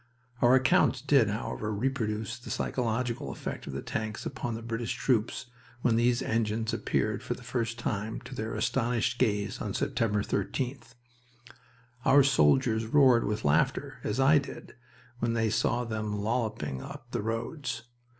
Our accounts did, however, reproduce the psychological effect of the tanks upon the British troops when these engines appeared for the first time to their astonished gaze on September 13th. Our soldiers roared with laughter, as I did, when they saw them lolloping up the roads.